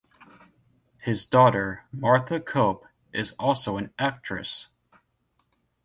His daughter Martha Cope is also an actress.